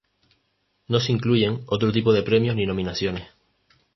No se incluyen otro tipo de premios ni nominaciones.